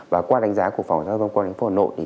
và qua đánh giá của phòng giáo dân quân quân hình phố hà nội